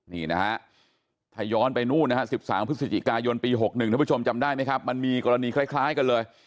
นี่นะฮะถ้าย้อนไปนู่นนะฮะ๑๓พฤศจิกายนปี๖๑ท่านผู้ชมจำได้ไหมครับมันมีกรณีคล้ายกันเลย